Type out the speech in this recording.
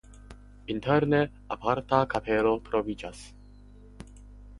Interne aparta kapelo troviĝas.